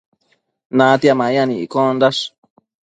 natia mayan iccondash